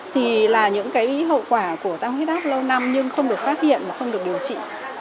thì là những cái hậu quả của tăng huyết áp lâu năm nhưng không được phát hiện mà không được điều trị